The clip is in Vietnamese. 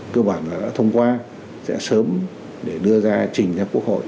cơ bản đã thông qua sẽ sớm để đưa ra trình cho quốc hội